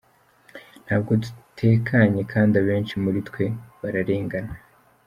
Ntabwo dutekanye kandi abenshi muri twe bararengana.